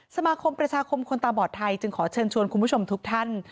สมาคมประชาคมคนตาบอดไทยจึงขอเชิญชวนคุณผู้ชมทุกท่าน